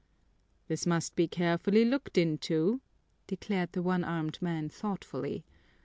"This must be carefully looked into," declared the one armed man thoughtfully.